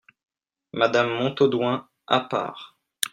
Madame Montaudoin , à part.